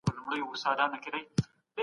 موږ ته په کار ده چي نړۍ ته د سولي لاس ورکړو.